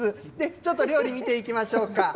ちょっと料理見ていきましょうか。